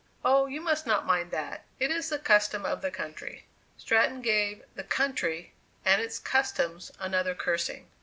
"Oh, you must not mind that, it is the custom of the country." Stratton gave "the country," and its "customs," another cursing.